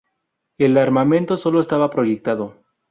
El armamento sólo estaba proyectado.